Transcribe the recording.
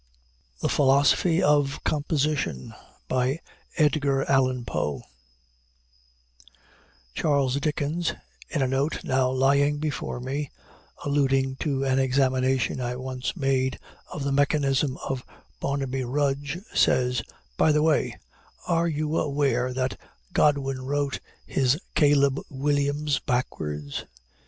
THE PHILOSOPHY OF COMPOSITION EDGAR ALLAN POE CHARLES DICKENS, in a note now lying before me, alluding to an examination I once made of the mechanism of Barnaby Rudge, says "By the way, are you aware that Godwin wrote his Caleb Williams backwards?